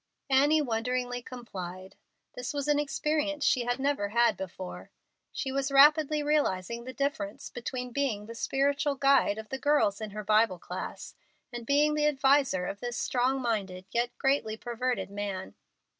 Annie wonderingly complied. This was an experience she had never had before. She was rapidly realizing the difference between being the spiritual guide of the girls in her Bible class and being the adviser of this strong minded yet greatly perverted man.